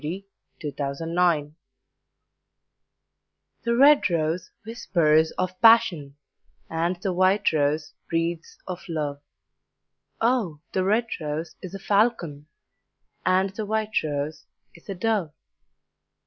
Y Z A White Rose THE red rose whispers of passion, And the white rose breathes of love; Oh, the red rose is a falcon, And the white rose is a dove.